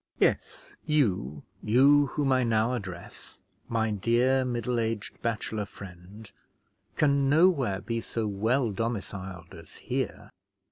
Yes, you, you whom I now address, my dear, middle aged bachelor friend, can nowhere be so well domiciled as here.